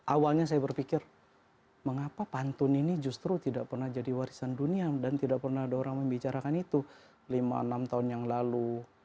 awalnya saya berpikir mengapa pantun ini justru tidak pernah jadi warisan dunia dan tidak pernah ada orang membicarakan itu lima enam tahun yang lalu